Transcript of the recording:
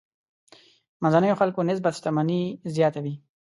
منځنيو خلکو نسبت شتمني زیاته وي.